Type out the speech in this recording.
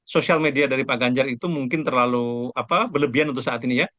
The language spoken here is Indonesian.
sosial media dari pak ganjar itu mungkin terlalu berlebihan untuk saat ini ya